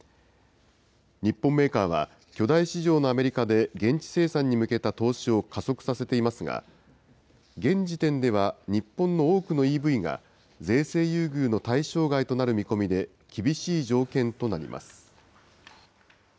日本メーカーは、巨大市場のアメリカで、現地生産に向けた投資を加速させていますが、現時点では日本の多くのＥＶが、税制優遇の対象外となる見込みで、厳しい条件となります。